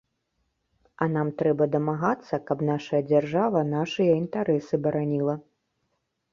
А нам трэба дамагацца, каб нашая дзяржава нашыя інтарэсы бараніла.